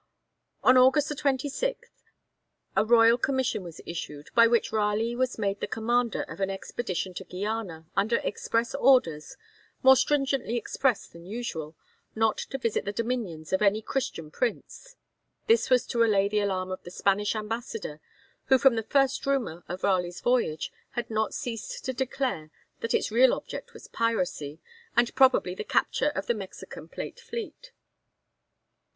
On August 26, a royal commission was issued, by which Raleigh was made the commander of an expedition to Guiana, under express orders, more stringently expressed than usual, not to visit the dominions of any Christian prince. This was to allay the alarm of the Spanish ambassador, who from the first rumour of Raleigh's voyage had not ceased to declare that its real object was piracy, and probably the capture of the Mexican plate fleet.